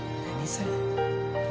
それ。